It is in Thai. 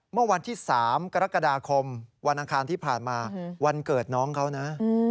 เมื่อวันที่๓กรกฎาคมวันอังคารที่ผ่านมาวันเกิดน้องเขานะ